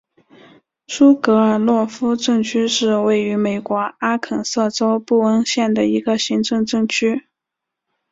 苏格尔洛夫镇区是位于美国阿肯色州布恩县的一个行政镇区。